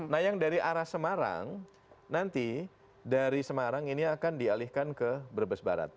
nah yang dari arah semarang nanti dari semarang ini akan dialihkan ke brebes barat